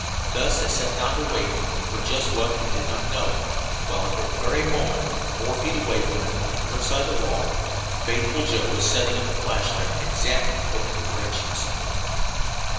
Thus they sat down to wait for just what, they did not know while at that very moment, four feet away from them on the other side of the wall, faithful Joe was setting up the flashlight exactly according to directions.